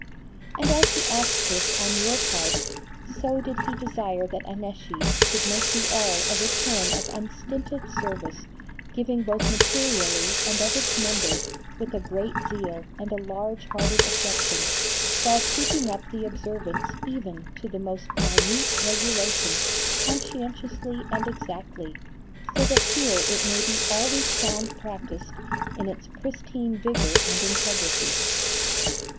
And as he asked this on your parts so did he desire that Annecy should make you all a return of unstinted service, giving both materially and of its members with a great zeal and a large hearted affection, while keeping up the observance even to the most minute regulations conscientiously and exactly, so that here it may be always found practised in its pristine vigour and integrity.